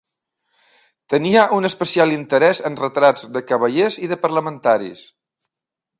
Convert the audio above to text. Tenia un especial interès en retrats de cavallers i de parlamentaris.